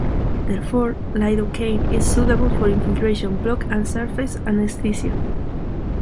Therefore, lidocaine is suitable for infiltration, block, and surface anaesthesia.